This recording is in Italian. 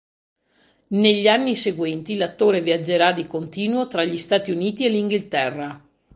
Negli anni seguenti l'attore viaggerà di continuo tra gli Stati Uniti e l'Inghilterra.